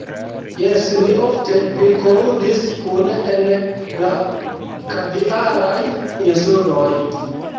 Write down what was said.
Jes; ni ofte pilkoludis kune en la Kaviaraj Insuloj.